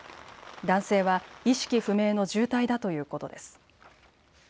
男性は意識不明の重体だということです。